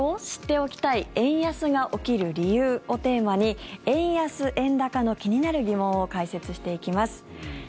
知っておきたい円安が起きる理由をテーマに円安・円高の気になる疑問を解説していきます。